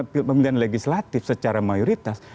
pemilihan legislatif secara mayoritas